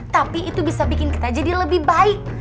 tapi itu bisa bikin kita jadi lebih baik